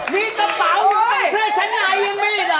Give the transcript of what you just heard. มีสเผาอยู่ในเสื้อฉันไหนยังไม่รับ